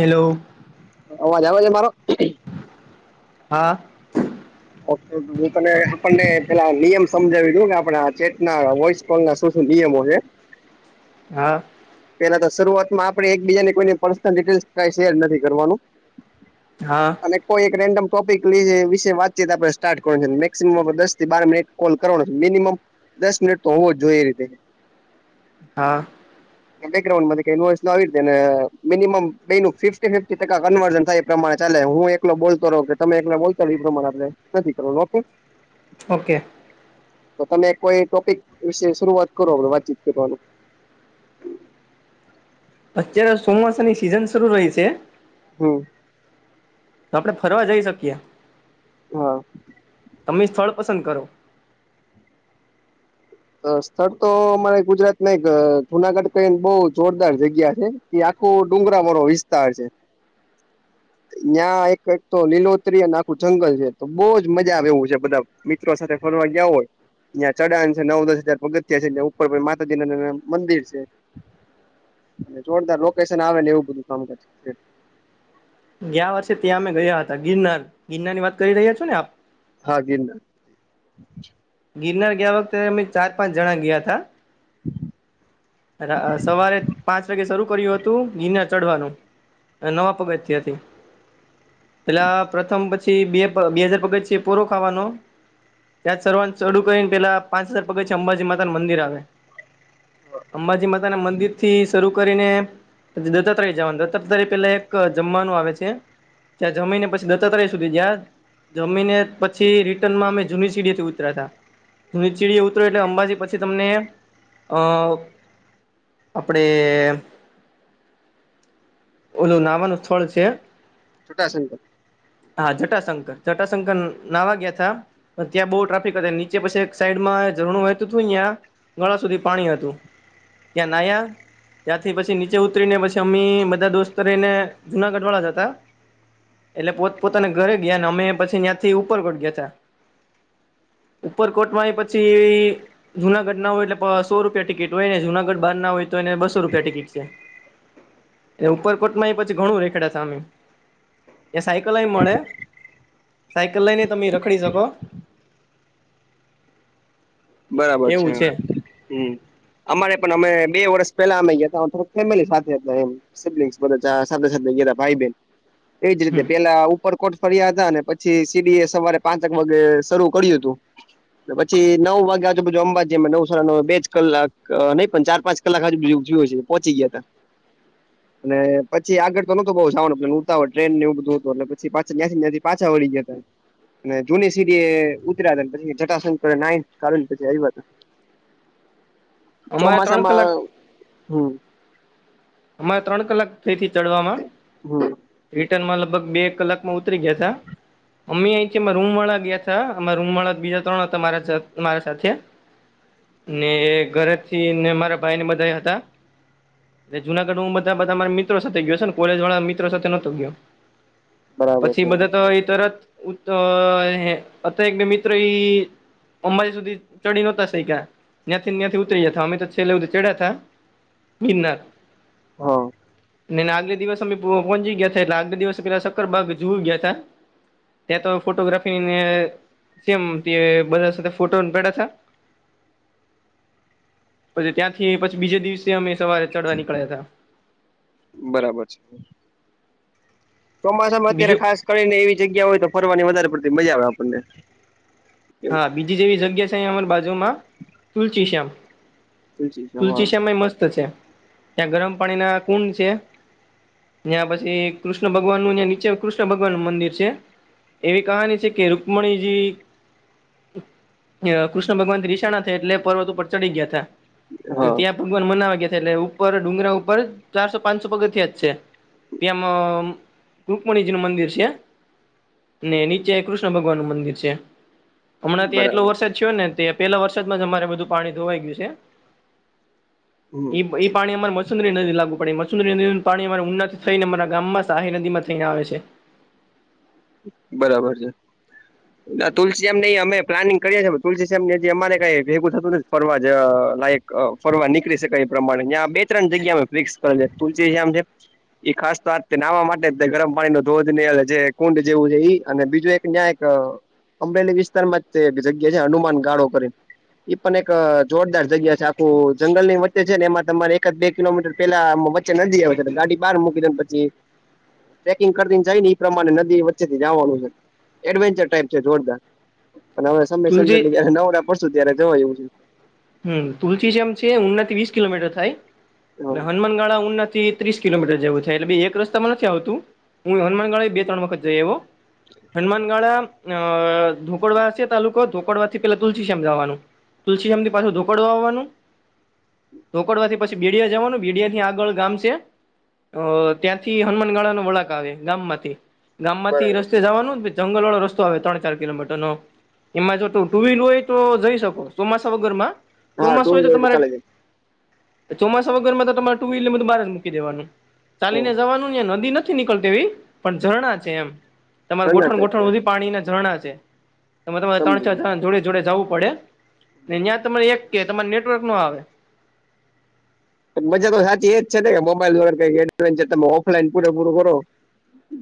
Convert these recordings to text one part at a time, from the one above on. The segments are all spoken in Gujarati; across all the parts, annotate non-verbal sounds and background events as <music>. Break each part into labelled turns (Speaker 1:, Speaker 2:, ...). Speaker 1: હેલો- -
Speaker 2: અવાજ અવાજે મારો?
Speaker 1: હા
Speaker 2: ઓકે હું તને આપણને પેલા નિયમ સમજાવી દઉ કે આપ આ ચેટના વોસ- - વોઇસકોલ ના શું શું નિયમો હે- -
Speaker 1: હા
Speaker 2: પેલા તો શરૂઆતમાં આપણે એક બીજા કોઈ પર્સનલ ડીટેલ કઈ શેર નથી કરવાનું- -
Speaker 1: હા
Speaker 2: અને કોઈ એક રેન્ડમ ટોપિક લઈયે વિશે વાતચી આપડણે સ્ટાર્ટ કરવા મેક્સિમમ દસથી બાર મિનિટ- - કોલ કરવાનો છે મિનિમમ દસ મિનિટ તો હોવો જ જોઈએ એ રીતે- -
Speaker 1: હા
Speaker 2: બેગ્રાઉન્ડ આવી મીનીમમ કઈ ફિક્સ કન્વર્ન થાય પ્રમાણે ચાલે હું એકલો બોલતો રહું કે તમે એકલા બોલતો રહો એ પ્રમાણે આપણે નથી કરવા ઓકે
Speaker 1: ઓકે
Speaker 2: તો તમે કોઈ ટોપિક વિશે શરૂઆત કરો વાતચીત કરવાનું
Speaker 1: અત્યારે ચોમાસાની સિઝન શરૂ રહી છે.
Speaker 2: હ
Speaker 1: તો આપડણે ફરવા જઈ શકીએ- -
Speaker 2: હા
Speaker 1: તમે સ્થળ પસંદ કરો?
Speaker 2: સ્થળ તો અમારે ગુજરાત ના એક જુનાગઢ કઈને બહુ જોરદાર જગ્યા છે. એ આખો ડુંગરા વાળો વિસ્તાર છે.
Speaker 1: <inaudible>
Speaker 2: ત્યાં એક તો લીલોતરી અને આખું જંગલ છે તો બહુજ મજા આવે એવું છે બધા- - મિત્રો સાથે ફરવા ગયા હોય ત્યાયાં ચડા- - નવ દસ હજાર પગથયા છે એલે ઉપર પણ માતાજીના મંદિર છે. અને જોરદાર લોકેશન આવે ને એવું બધું કામ કરે- -
Speaker 1: ગયા વર્ષે ત્યાં અમે ગયા હતા ગિરનાર ગિરનાર ની વાત કરી રહ્યા છો ને આપ- -
Speaker 2: હા ગિરનાર
Speaker 1: ગિરનર ગયા વક્ત મેં ચાર પાંચ જણા ગયા હતા સવારે પાંચ વાગે શરૂ કર્યું હતું તો ગિરનાર ચઢવાનું નવા પગથથી હતી પેલા પ્રથમ- - બે બે હજાર પગથિયે છે પ પોરો ખાવાનો- - ત સર્વા ચડુું કરીને પેલા પાંચ હજાર પગથી અંબાજી માતાનું મંદિર આવે અંબાજી માતા ના મંદિર થી શરૂ- - કરીને દત્તાત્ર જવાનું દત્તાત્રય પે એક જમવાનું આવે છે. ત્યાં જમીને પછી દત્તા તય સુધી- - જમીને પછી રિટર્નમાં અમે જુન સિડીથી ઉતરાતા- - સીડી ઉતરો એટલે અંબાજી પછી તમને અ- - આપડે ઓલું નાવાનું સ્થળ છે.
Speaker 2: છટાશે- -
Speaker 1: હા જટાશંકર જટાશંકર નાવા ગયા તા ત્યાં બહુ ટ્રાફિક હતા નીચે પછી એક સાઈડમાં ઝરણુંતું હતું અં ગળા સુધી પાણી હતું ત્યાં નયા ત્યાંથી પછી નીચે ઉતરી ને પછી બધા દોસ્ત રહીને જુનાગઢ વાળા હતા એટલે પોત પોતાના ઘરે ગયા ને અમે પછી ત્યાં ઉપર ગયા હતા ઉપર પોચવા આઇએ પછી જુનાગઢ ના હોય એટલે સો રૂપિયા ટિકિટ હોય ને જુનાગઢ બાર ના હોય તો એને બસો રૂપિયા ટિકિટ છે. એ <unintelligible> માં એ પછી ઘણું રેખડા અમે એ સાયકલ લઈ મળે સાયકલ લઈને તમે રખડી શક. <inaudible>
Speaker 2: બરાબર છે હમ અમારે પણ અમે બે વર્ષ પેલા અમે ગયા હતાોક ફેમિલી સાથે હતા એમ <unintelligible> બધા સાથે સાથે ગ ભાઈ બેન એજ રીતે
Speaker 1: હમ
Speaker 2: પેલા આવું ઉપર કોર્ટ ફર્યા હતા અને પછી સીડી એ સવારે પાંચક વાગે શરૂ કર્યું હતું પછી નવ વાગે બધ <unintelligible> જે નવસરા ન બે કલાક નહીં પણ ચાર પાં કલાકજુ બધુંયું છે પહોચ ગયા હતા
Speaker 1: <inaudible>
Speaker 2: અને પછી આગળ તો નહોતું બોવ જવાનું ઉતાવળ હોય ટ્રેનને એવું બધું હતું એટલે પછી પાછ જ્યાથી્યાથી પાછા વળી ગ્યાતા અને જૂની સીડી એ ઉતરા પછી <unintelligible> <unintelligible> પછી આવી વાત
Speaker 1: અમારે ત્રણ
Speaker 2: ચોમાસામાં
Speaker 1: કલાક
Speaker 2: હમ
Speaker 1: અમારે ત્રણ કલાક થઈથી ચડવામાં
Speaker 2: હમ
Speaker 1: રિટર્ન માં લગભગ બે એક કલાક માં ઉતરી ગયા તા અમે અહીંમાં રૂમ વાળા ગયા હતાા અ રૂમ વાળા બીજા ત્રણ હતા મારા મારા સાથે ને ઘરેથી ને મારા ભાઈ ને બધા હતા એ જુનાગઢ હું બધા બધા સાથે ગયો છે ને કોલેજ વાળા મિત્રો સાથે નહોતો ગયો
Speaker 2: બરાબર
Speaker 1: પછી
Speaker 2: છે
Speaker 1: બધા તો ઈ તરત <unintelligible> મિત્ર ઈ અંબાજી સુધી ચડી નોતા શઈકા, ન્યાંથીન ન્યાંથી ઉતરી ગયા તા. અમે તો છેલ્લે હુંધી ચઈડા તા. ગિરનાર.
Speaker 2: હા.
Speaker 1: ને એન આગલે દિવસ અમે પહો પહોંચી ગયા તા એટલે આગલે દિવસે પહેલા સક્કરબાગે ઝૂ એ ગયા તા. ત્યાં તો ફોટોગ્રાફી ને સેમ તે બધા સાથે ફોટોન પાઈડા થા. પછી ત્યાંથી પછી બીજે દિવસે અમે સવારે ચડવા નીકળ્યા તા.
Speaker 2: બરાબર છે. ચોમાસામાં અત્યારે
Speaker 1: બીજું
Speaker 2: ખાસ કરીને એવી જગ્યા હોય તો ફરવાની વધારે પડતી મજા આવે આપણને.
Speaker 1: હા. બીજી જેવી જગ્યા છે અહિયાં અમારી બાજુમાં, તુલસી શ્યામ. તુલસી
Speaker 2: તુલસીમાં
Speaker 1: શ્યામ એઈ મસ્ત છે. ત્યાં ગરમ પાણી ના કુંડ છે. ન્યાં પછી કૃષ્ણ ભગવાનનું ન્યાં નીચે કૃષ્ણ ભગવાનનું મંદિર છે. એવી કહાની છે કે રુકમણીજી અહ કૃષ્ણ ભગવાન થી રીશાના છે એટલે પર્વત ઉપર ચડી ગયા તા.
Speaker 2: હા
Speaker 1: ત્યાં ભગવાન મનાવા ગયા તા. એટલે ઉપર ડુંગરા ઉપર ચારસો પાંસો પગથિયાં જ છે. ત્યાંમ રુકમણિજી નું મંદિર સે. ને નીચે કૃષ્ણ ભગવાનનું મંદિર છે. હમણાં ત્યાં એટલો
Speaker 2: બરાબર
Speaker 1: વરસાદ થયો ને તે પેલા વરસાદમાં જ અમારે બધું પાણી ધોવાઈ ગયું સે.
Speaker 2: હમ
Speaker 1: ઈ-ઈ પાણી અમાર <unintelligible> <unintelligible> નદીન લાગુ પડે. ઈ મસુંદરી નદી નું પાણી અમા ઉના થી થઈને અમારા ગામમાં શાહી નદીમાં થઈને આવે છે.
Speaker 2: બરાબર છે. આ તુલસી <unintelligible> અમેઈ પ્લાનિંગ કરીએ છે તુલસી શ્યામ જે જ્યાં અમારે કાંઈ ભેગું થતું નથી. ફરવા જ લાયક ફરવા નીકળી શકાય ઈ પ્રમાણે. ન્યાં બેટ ત્રણ જગ્યા અમે ફિક્સ કરેલી. એક તુલસીશ્યામ છે ઈ ખાસ તો આ જ તે નહાવા માટે જ તે. ગરમ પાણી નો ધોધ ને અલે જે કુંડ જેવું છે ઈ, અને બીજું એક ન્યાં એક અહ અમરેલી વિસ્તારમાં જ તે જગ્યા છે હનુમાન ગાળો કરીન એ પન એક જોરદાર જગ્યા છે, આખું જંગલ ની વચ્ચે છે, ને એમાં તમારે એકાદ બે કિલોમીટર પેલા આમ વચ ચ્ચે નદી આવે છે. એટલે ગાડી બહાર મૂકી દયો ને પછી, ટ્રેકિંગ કરતીન જાય ને ઈ પ્રમાણે નદ દી વચ્ચે થી જાવાનું છે. એડવેન્ચર ટાઈપ છે જોરદાર. અને હવે સમય
Speaker 1: તુલસી
Speaker 2: સંજોગે જ્યારે નવરા પડશું ત્યારે જવાય એવું છે.
Speaker 1: હમ્મ. તુલસીશ્યામ છે ઉના વીસ કિલોમીટર થાય, એટલે હનુમાનગાળા ઉનાથી ત્રીસ કિલોમીટર જેવું થાય. એટલે બેય એક રસ્તામાં નથી આવતું, હું હનુમાનગાળા એઈ બે ત્રણ વખત જઈ આઈવો. હનુમાનગાળા અહ ધોકડવા છે તાલુકો, ધોકડવા થી પેલા તુલસીશ્યામ જવાનું. તુલસીશ્યામ થી પાછો ધોકડવા આવવાનું ધોકડવાથી પછી બિડીયા જાવાનું, બીડિયા થી આગળ ગામ સે અહ ત્યાંથી હનુમાન ગાળા નો વળાંક આવે ગામ માંથી, ગામ માંથી
Speaker 2: બરાબર
Speaker 1: એ રસ્તે
Speaker 2: છે.
Speaker 1: જવાનું, <unintelligible> જંગલ વાળો રસ્તો આવે ત્રણ ચાર કિલોમીટર નો, એમાં જો ટુ-ટુ વ્હીલ હોય તો જઈ શકો. ચોમાસા વગ ગરમાં,
Speaker 2: હા ટુ
Speaker 1: ચોમાસું હોય
Speaker 2: વ્હીલર
Speaker 1: તો તમારે
Speaker 2: ચાલે જાય
Speaker 1: તે ચોમાસા વગરમાં તો તમારે ટુ વ્હીલ ને બધું બાર જ મૂકી દેવાનું. ચાલીને જવાનું, ન્યા નદી નથ થી નીકળતી એવી, પણ ઝરણાં છે એમ. તમાર ગોઠણ-ગોઠણ હુધી પાણી ના ઝરણાં છે. એમાં તમારે ત્રણ
Speaker 2: સમજી
Speaker 1: ચાર જણા જોડે-જોડે જાવું પડે. ને ન્યાં તમારે એક કે તમારે નેટવર્ક નો આવે.
Speaker 2: એક મજા તો સાચી એ જ છે ને કે મોબાઈલ વગર કાંઈ એડવેન્ચર તમે ઓફલાઈન પૂરે પૂરું કરો.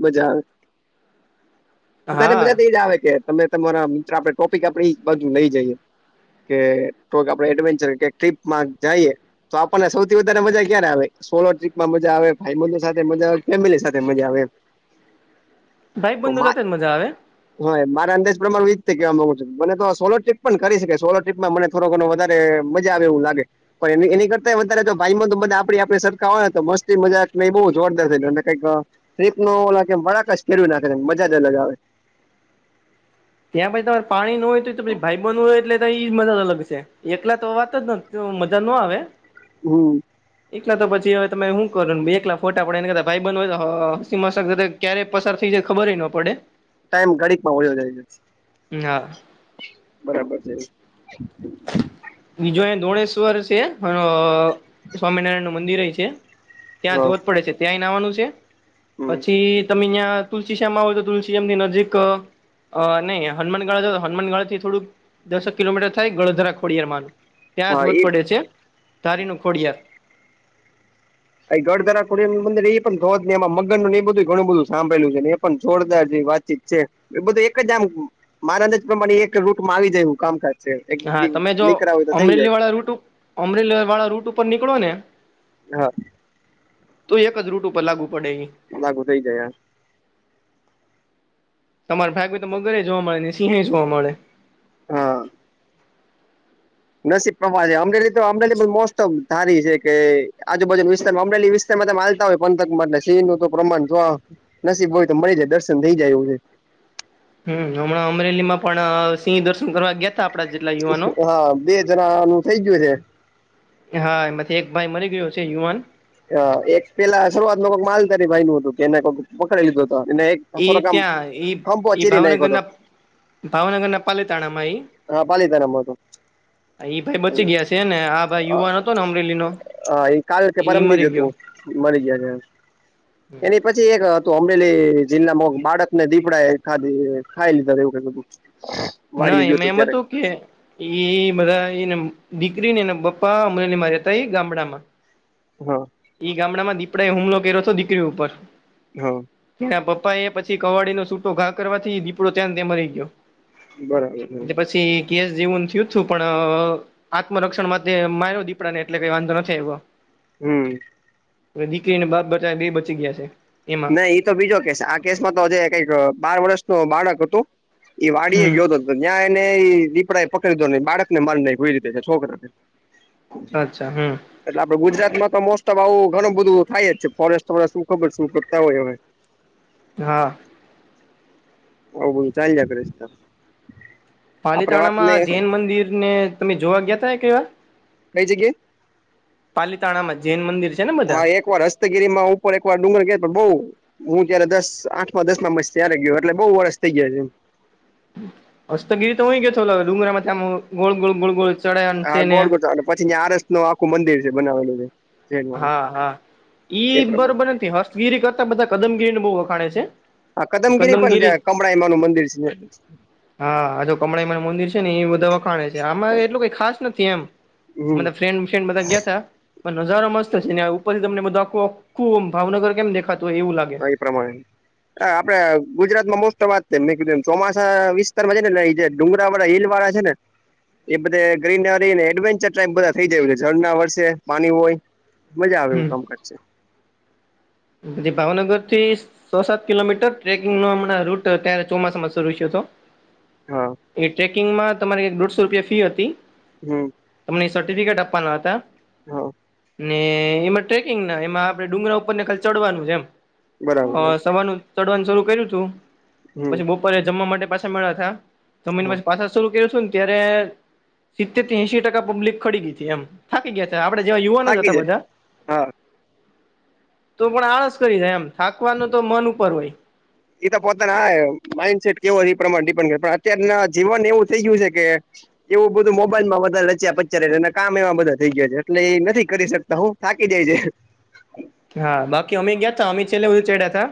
Speaker 2: મજા આવે.
Speaker 1: <inaudible>
Speaker 2: <unintelligible> મજા તો એજ આવે કે તમે તમારા મિત્ર આપણે ટોપિક આપણે ઈ જ બાજુ લઈ જઈએ. કે આપડે એડવેન્ચર કે ટ્રીપમાં જઈએ. પણ સૌથી વધારે મજા ક્યારે આવે, સોલો ટ્રીપમાં મજા આવે, ભાઈ-બંધ સાથે મજા આવે, ફેમિલી સાથે મજા આવે.
Speaker 1: ભાઈ-બંધો સાથે જ મજા આવે.
Speaker 2: હ, મારા અંદાજ પ્રમાણ, હું ઈ રીતે કેવા માંગુ છું, મને તો સોલો ટ્રીપ પણ કરી શકે, સોલો ટ્ર્રીપમાં મને થોડો ઘણો વધારે મજા આવે, એવું લાગે, પણ એની કર વધારે, વધારે જો ભાઈબંધ આપડી આપડી સરખા હોય ને, તો મસ્તી મજાક બઉ જોરદાર થઈ કઈક. ટ્રીપ ન લાગે, બળાકાશ ફેરવી નાખે, મજા જ અલગ આવે.
Speaker 1: ત્યાં પછી તમારે પાણી ન હોય તો, તો પછી ભાઈ-બંધ હોય, એટલે તોઈ જ મજા અલગ છે, એકલા તો વાત. તો મજા ન આવે.
Speaker 2: હમ.
Speaker 1: એકલા તો પછી હવે તમે શું કરો? એકલા ફોટા પડાય, એના કરતા ભાઈ બંધ હોય તો, હસી મજાક ક્યારે પસાર થઈ જાય ખબર ય ન પડે.
Speaker 2: ટાઈમ ઘડીક માં વયો જાય છે.
Speaker 1: હા.
Speaker 2: બરાબર છે.
Speaker 1: બીજો અહી ધોણેેશ્વર છે, સ્વામિનારાયણ નું મંદિર ય છે. ત્યાં
Speaker 2: હા
Speaker 1: ધોધ પડે છે, ત્યાં નાવાનું છે,
Speaker 2: હમ
Speaker 1: પછી તમે અહિયાં તુલસી શ્યામ આવો તો, તુલસી શ્યામ ની નજીક અ નહીં હનુનગાળા હનુમનગાળા થી થોડું દસક કિલોમીટર ત્યાં એક ગળધરા ખોડિયાર માનું ત્યાં
Speaker 2: હા
Speaker 1: ધોધ
Speaker 2: એ
Speaker 1: પડે છે, ધારી નુ ખોડિયાર.
Speaker 2: ઘર ધરા કોુંંદર એ પણ થો જહી, એમાં મગનનું એ બધું ઘણું બધું સાંભળેલું છે, એ પણ જોરદાર જેત. ઠીક છે, એ બધું એક જ આમ મારા અંદરજ પ્રમાણે એક રૂટમાં આવી જાયું, કામકા એક દીકરા હોય, તો થઈ જાય.
Speaker 1: યુટ્યુબ. અમરેલર વાળા રૂટ ઉપર નીકળો ને.
Speaker 2: હા.
Speaker 1: તો એક જ રૂટ ઉપર લાગુ પડે.
Speaker 2: લાગુ થઇ જાય એમ.
Speaker 1: તમારે ભાગ માં હોય તો, મગરે જોવા મળે ને, સિંહ જોવા મળે.
Speaker 2: હા. નસીબ પ્રમાણે અમરેલી તો, અમરેલી મોસ્ટમ ધારી છે કે, આજુબાજુ વિસ્તારમાં અમરેલી માલતા હોય, પંથકમાં એલે સિ ન તો પ્રમાણ જો નસીબ હોય તો મળી જાય, દર્શન થઈ જાય એવું છે.
Speaker 1: હમ, હમણાં અમરેલી માં પણ સિંહ દર્શન કરવા ગયા. આપણા જિલ્લા
Speaker 2: હા, બે જણા નું થઇ ગયું છે.
Speaker 1: હા, એમાંથી એક ભાઈ મરી ગયો છે યુવાન.
Speaker 2: એક પેલા શરૂઆત ન કોઈક માલધારી ભાઈ નું હતું કે, એને કોઈક પકડી લીધું હતો, એને એક
Speaker 1: એ
Speaker 2: થોડોક આમ
Speaker 1: ત્યાં એ,
Speaker 2: હંપો
Speaker 1: એઈ
Speaker 2: ચીરી નાખ્યો
Speaker 1: ભાવનગર
Speaker 2: હતો
Speaker 1: ના. ભાવનગર ના પાલીતાણામાં એ.
Speaker 2: હા પાલીતાણામાં હતો
Speaker 1: એ ભાઈ બચી ગયા છે ને, આ ભાઈ યુવાન હતો ને, અમરેલી નો.
Speaker 2: હ, એ કાલ કે, પરમ દજ હતું, મળરી ગયા છે એ. પછી એક હતું, અમરેલી જિલ્લામાં બાળકને દીપડા એ ખાધ ખાઈ લીધા, એવું ક હતું.
Speaker 1: ના
Speaker 2: વાડી ગયો હતો
Speaker 1: એમાં એમ
Speaker 2: ત્યારે
Speaker 1: હતું કે. એ બધા એ દીકરી ને, એના પપા અમલા ની મારી હતા, એ ગામડામાં.
Speaker 2: હા.
Speaker 1: ઈ ગામડામાં દીપડાએ હુમલો કર્યો હતો દીકરી ઉપર
Speaker 2: હા
Speaker 1: એના પપ્પા એ પછી કવાાડીનું સૂટ તો ઘા કરવા થી દીપડો ત્યાં ત્યા મ રહી ગયો
Speaker 2: બરાબર
Speaker 1: એટલે પછી ગેસ જવું થયું જ છું પણ આત્મરક્ષણમાં માર્યો દીપડા ને એટલે કઈ વાંધો નથી આવ્યો
Speaker 2: હમ
Speaker 1: દીકરીને બાપ બચા બે બચી ગયા છે. એમાં
Speaker 2: નહી ઈતો બીજો કેસ આ કેસમાં તો જે કઈક બાર વર્ષ ન બાળક હતું એ વાડી એ
Speaker 1: હમ
Speaker 2: ગયો હતો જ્યાં એને એ પીપડા એ પકડી દધો નહી બાળક ને માર નાખ્યો કોઈ રીતે છે છોકરાને
Speaker 1: અચ્છા હમ
Speaker 2: એટલે આપડે ગુજરાતમાં તો મોસ્ટ ઓફ આવું ઘણું બધું થાય જ છે ફોરેસ્ટ શું ખબર શું હોય એવ
Speaker 1: હા
Speaker 2: <unintelligible> આપડે વાત ને
Speaker 1: પાલીતાણામાં જૈન મંદિર ને તમે જોવા ગયા તા એકે વાર
Speaker 2: કઈ જગ્યાએ
Speaker 1: પાલીતાણા માં જૈન મંદિર છે. ને બધા
Speaker 2: હા એક વાર હસ્તગીરી માં ઉપર એક વાર ડુંગર કે બઉુ હું જય્યારે દસ આઠમાં દસ માં મસ ત્યારે ગયો એટલે બહુ વર્ષ થઇ ગયા છે એમ
Speaker 1: હસ્તગીરી તો હય ગતોો લ ડુંગરા માં ત્યા ગોળ ગોળ ગોળ ગોળ ચડ્યા
Speaker 2: હા
Speaker 1: છે ને
Speaker 2: ગોળ ગોળ પછી આરસ નું આખું મંદિર છે બનાવેલું છે. જૈન વાળા
Speaker 1: હા હા ઈ
Speaker 2: એ પ્રમાણે
Speaker 1: બરોબર નથી હસ્તગીરી કરતા બધા કદમગીરી ન બહ વખાણે છે.
Speaker 2: હ કદમગીરી પણ જ કમળા એમાનું મંદિર છે.
Speaker 1: હા જો કમળાઈમા મંદિર છે ને એ બધા એટલું કઈ ખાસ નથી
Speaker 2: હમ
Speaker 1: અમે ફ્રેન્ડ ફ્રેન્ડ બધા ગયા તા પણ નજારો મસ્ત છે ને ઉપરથી તમને આખુંખું ભાવનગર કેમ દેખાતું હોયવું લાગે
Speaker 2: એ પ્રમાણે હા આપડે ગુજરાત માં મોસ્ટ વાત છે મેં કીધું ચોમાસા વિસ્તારમાં છે ને ડુંગરા વાળા હીલ વાળા છે ને એ બધે ગ્રીનરીને એડવેન્ચર ટાઈપ બધા થઈ જયું છે ઝળ ના વર્ષે પાણી હોય મજા આવે એવું
Speaker 1: હમ
Speaker 2: કામ કરશે
Speaker 1: પછી ભાવનગર ત્રીસ સો સાત કિલોમીટર ટ્રેકિંગમા હમણાં રૂટ અત્યારે ચોમાસામાં શરૂ થયો હતો
Speaker 2: હા
Speaker 1: એ ટ્રેકિંગમાં તમારી દોઢસો રૂપિયા ફી હતી
Speaker 2: હમ
Speaker 1: તમને સર્ટિફિકેટ આપવાના હતા
Speaker 2: હ
Speaker 1: ને એમાં ટ્રેકિંગ ના એમાં આપણે ડુંગરા ઉપર ને કા ચડવાનું છે એમ અ
Speaker 2: બરાબર
Speaker 1: સવારનું ચડવાનું શરૂુ કર્યું છું
Speaker 2: હમ
Speaker 1: પછી જમવા માટે પાછા મળ્યા ત જમીન
Speaker 2: હા
Speaker 1: પછી પાછા શરૂ કરું છું ને ત્યારે સિત્તેર ત એશ ટકા પબ્લિક ખડી ગઈ હતી એમ થાકી ગયા હતા આપડ જેવા યુવાનો જ
Speaker 2: થાકી
Speaker 1: હતા
Speaker 2: જાય
Speaker 1: બધા
Speaker 2: હા
Speaker 1: તો પણ આળસ કરી જાય એમ થાકવાનું તો મન ઉપર હોય
Speaker 2: એ તો પોતાના માઇન્ડસેટ કેવો એ પ્રમાણે ડિપેન્ડ કર પણ અત્યના જીવન એવું થઈ ગયું છે કે એવું બધું મોબાઈલ માં બધા રચ્યા પચાર છે, અને કામ એમાં બધા થઈ ગયા છે, એટલે એ નથી કરી શકતા. હું થાકી જાય છે.
Speaker 1: હા, બાકી અમી ગયા તો, અમી છેલ્લે બધું ચડ્યા હતા.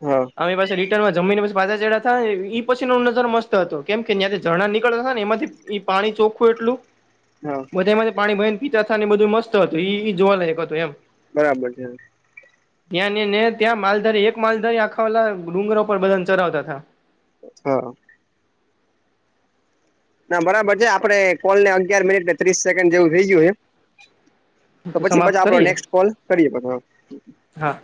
Speaker 2: હા.
Speaker 1: અમે પાસે રિટર્નમાં જમીને પાછા ચડીયા હતા, એ પછી નો નજારો ર મસ્ત હતો, કેમ કેયાં ઝણા નીકળતા હતા ને, એમાંથી ઈ પાણી ચોખ્ખું એટલુ.
Speaker 2: હા
Speaker 1: બધા એમાં પાણી ભ ને પીતા થ ને, બધું મસ્ત હતું, જોવા લયક હતું એમ.
Speaker 2: બરાબર છે.
Speaker 1: ત્યાં ને, ત્યાં માલધારી એક માલધારી આખાલા ડુંગરા પર બધાને ચરાવતા હતા.
Speaker 2: હા. ના, બરાબર છે, આપડે કોલ ને, અગિયાર મિનિટ ત્રીસ સેકન્ડ જેવું થઇ ગયું છે. તો પછી,
Speaker 1: સમાપ્ત
Speaker 2: પછી આપડો
Speaker 1: કરીએ
Speaker 2: નેક્સ્ટ કોલ કરી દેવાનું.
Speaker 1: હા.